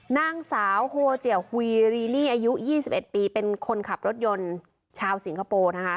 นางสาวโฮเจียวฮุยรีนี่อายุ๒๑ปีเป็นคนขับรถยนต์ชาวสิงคโปร์นะคะ